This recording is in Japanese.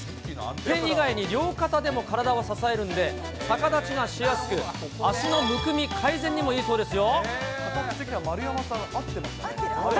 手以外に両肩でも体を支えるので逆立ちがしやすく、足のむくみ、改善にもいいそうですよ。